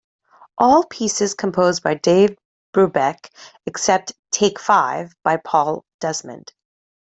All pieces composed by Dave Brubeck, except "Take Five" by Paul Desmond.